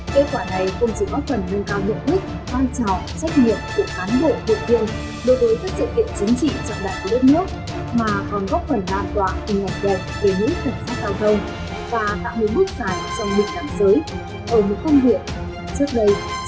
kết quả này không chỉ góp phần nâng cao nội thức